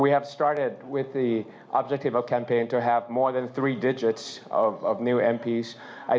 หรือว่าเราจำเป็นคำถึงแรกเกมส์แถวหนึ่ง๐ไป